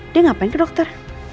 dia ngapain ke dokter